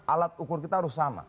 alat ukur kita harus sama